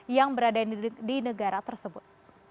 yang berada di negara tersebut